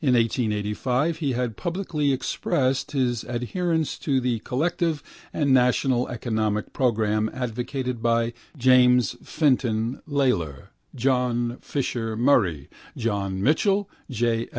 In 1885 he had publicly expressed his adherence to the collective and national economic programme advocated by James Fintan Lalor, John Fisher Murray, John Mitchel, J.